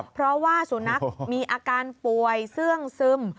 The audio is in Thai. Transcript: เพราะว่าสุนัขมีอาการป่วยเสื้องซึม